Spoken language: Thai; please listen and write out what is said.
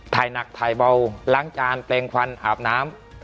หนักถ่ายเบาล้างจานแปลงควันอาบน้ำ